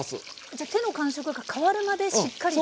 じゃ手の感触が変わるまでしっかりと。